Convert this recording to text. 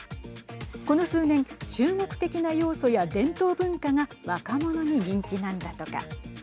この数年中国的な要素や伝統文化が若者に人気なんだとか。